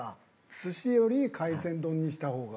寿司より海鮮丼にした方が。